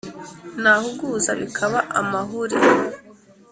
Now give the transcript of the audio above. Nahuguza bikaba amahuri